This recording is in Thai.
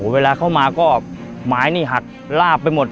เวลาเข้ามาก็ไม้หักลาบไปหมด